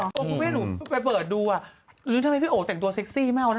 คุณแม่หนูไปเปิดดูอ่ะหรือทำไมพี่โอ๋แต่งตัวเซ็กซี่มากนะ